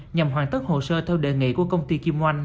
nhằm hoàn tất hồ sơ theo đề nghị của công ty kim oanh